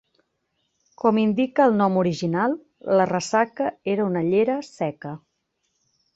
Com indica el nom original, la ressaca era una llera seca.